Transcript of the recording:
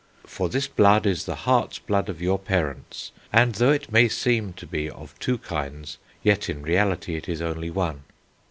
For this blood is the heart's blood of your parents, and though it may seem to be of two kinds, yet, in reality, it is only one.